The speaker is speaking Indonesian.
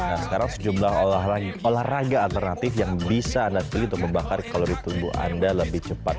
nah sekarang sejumlah olahraga alternatif yang bisa anda pilih untuk membakar kalori tubuh anda lebih cepat